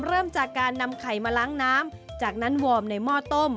เริ่มจากการนำไข่มาล้างน้ำจากนั้นวอร์มในหม้อต้ม